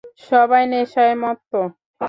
সবাই নেশায় মত্ত।